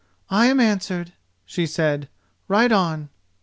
"I am answered," she said; "ride on."